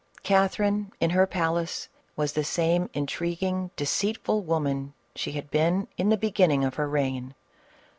Catherine, in her palace, was the same intriguing, deceitful woman she had been in the beginning of her reign.